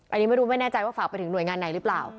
อันนี้ไม่รู้ไม่แน่ใจว่าฝากไปถึงหน่วยงานไหนหรือเปล่า